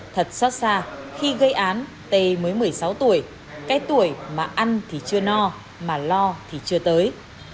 thật xót xa khi gây án t mới một mươi sáu tuổi cái tuổi mà ăn thì chưa no mà lo thì chưa tới